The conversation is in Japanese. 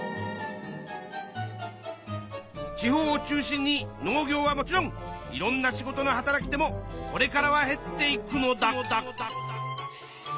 地方を中心に農業はもちろんいろんな仕事の働き手もこれからは減っていくのだ。